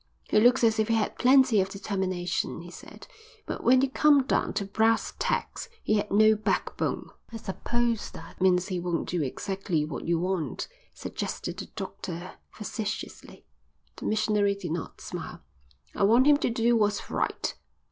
"He looks as if he had plenty of determination," he said, "but when you come down to brass tacks he has no backbone." "I suppose that means he won't do exactly what you want," suggested the doctor facetiously. The missionary did not smile. "I want him to do what's right.